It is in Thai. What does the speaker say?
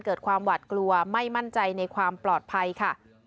เกิดความหวัดกลัวไม่มั่นใจในความปลอดภัยค่ะ